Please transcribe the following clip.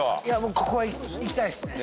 ここはいきたいっすね。